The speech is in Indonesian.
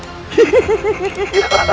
diam kau gendang diam